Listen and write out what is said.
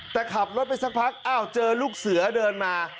แต่ขับรถไปสักพักอ้าวเจอลูกเสือเดินมา